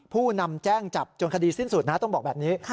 ผู้นำแจ้งจับจนคดีสิ้นสุดนะต้องบอกแบบนี้